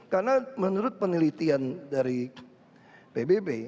karena menurut penelitian dari pbb